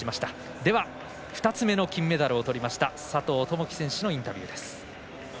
では２つ目の金メダルをとりました佐藤友祈選手のインタビューです。